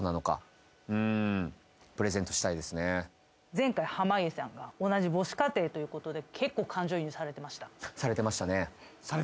前回濱家さんが同じ母子家庭ということで結構感情移入されてました。